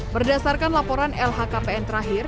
berdasarkan laporan lhkpn terakhir